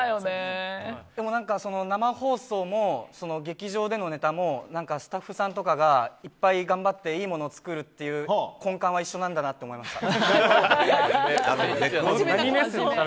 でも生放送も劇場でのネタもスタッフさんとかが、いっぱい頑張っていいものを作るっていう根幹はいっしょなんだなと思いました。